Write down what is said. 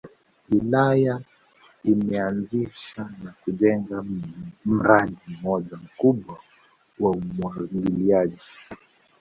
Wilaya imeanzisha na kujenga mradi mmoja mkubwa wa umwagiliaji